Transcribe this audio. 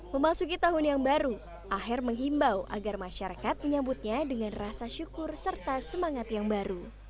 memasuki tahun yang baru aher menghimbau agar masyarakat menyambutnya dengan rasa syukur serta semangat yang baru